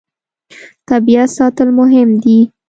طبیعت ساتل مهم دي.